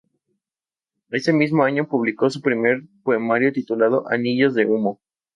Ese mismo año, publicó su primer poemario titulado "Anillos de humo".